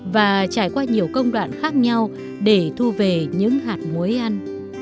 và trải qua nhiều công đoạn khác nhau để thu về những hạt muối ăn